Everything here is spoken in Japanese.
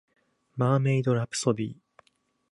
マーメイドラプソディ